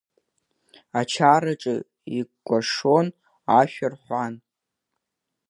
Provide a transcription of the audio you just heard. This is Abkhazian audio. Ачараҿы икәашуан, ашәа рҳәуан.